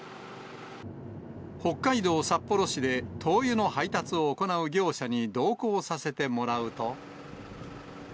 北海道札幌市で、灯油の配達を行う業者に同行させてもらうと。